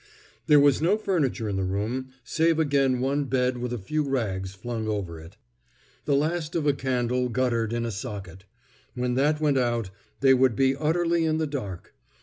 There was no furniture in the room, save again one bed with a few rags flung over. it. The last of a candle guttered in a socket; when that went out, they would be utterly in the dark.